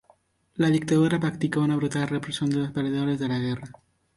La dictadura practicó una brutal represión de los perdedores de la guerra.